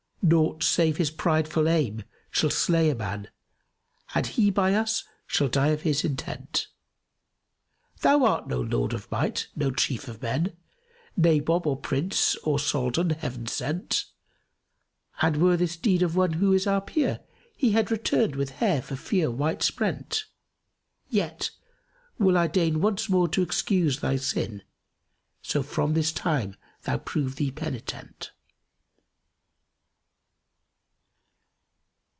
Naught save his pride full aim shall slay a man; * And he by us shall die of his intent. Thou art no lord of might, no chief of men, * Nabob or Prince or Soldan Heaven sent; And were this deed of one who is our peer, * He had returned with hair for fear white sprent: Yet will I deign once more excuse thy sin * So from this time thou prove thee penitent."